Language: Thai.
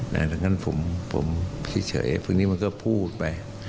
ดังนั้นผมเฉยพรุ่งนี้มันก็พูดไป